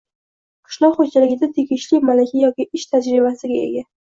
Qishloq xoʼjaligida tegishli malaka yoki ish tajribasiga ega